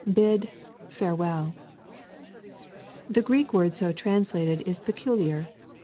— \Bid,, fareweU.] The Greek word so translated is peculiar.